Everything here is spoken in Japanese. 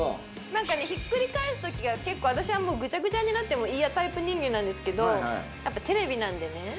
なんかねひっくり返す時が結構私はもうぐちゃぐちゃになってもいいやタイプ人間なんですけどやっぱテレビなんでね。